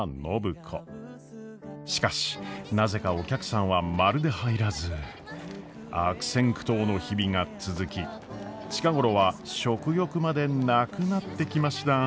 しかしなぜかお客さんはまるで入らず悪戦苦闘の日々が続き近頃は食欲までなくなってきました。